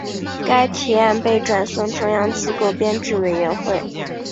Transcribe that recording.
该提案被转送中央机构编制委员会。